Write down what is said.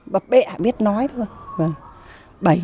bà bẹ biết nói thôi